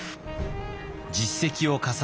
実績を重ね